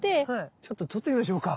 ちょっと撮ってみましょうか。